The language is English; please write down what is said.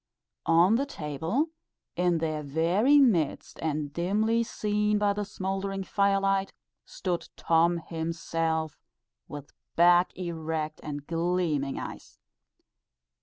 on the table, in their very midst, and dimly seen by the smouldering firelight, stood Tom himself, with back erect and gleaming eyes.